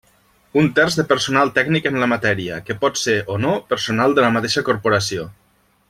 Un terç de personal tècnic en la matèria, que pot ser o no personal de la mateixa corporació.